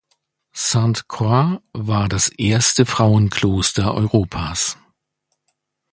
Sainte-Croix war das erste Frauenkloster Europas.